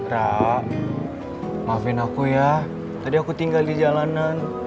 rak maafin aku ya tadi aku tinggal di jalanan